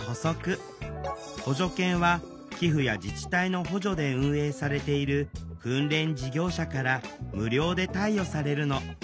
補助犬は寄付や自治体の補助で運営されている訓練事業者から無料で貸与されるの。